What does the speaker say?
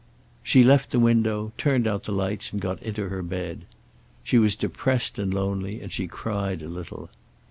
She left the window, turned out the lights and got into her bed. She was depressed and lonely, and she cried a little.